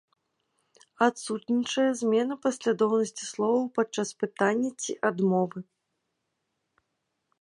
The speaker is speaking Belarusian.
Адсутнічае змена паслядоўнасці словаў падчас пытання ці адмовы.